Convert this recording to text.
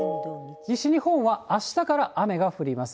西日本は、あしたから雨が降ります。